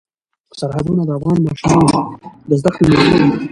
سرحدونه د افغان ماشومانو د زده کړې موضوع ده.